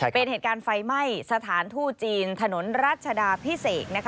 เป็นเหตุการณ์ไฟไหม้สถานทูตจีนถนนรัชดาพิเศษ